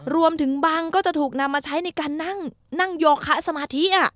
รวมถึงบังก็จะถูกนำมาใช้ในการนั่งโยคะสมาธิ